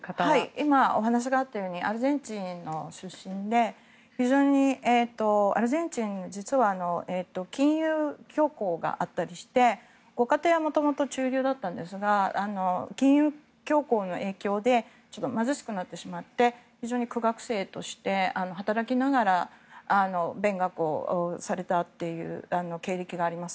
今、お話があったようにアルゼンチンの出身でアルゼンチンは実は金融恐慌があったりしてご家庭はもともと中流だったんですが金融恐慌の影響で貧しくなってしまって非常に苦学生として働きながら勉学をされたという経歴があります。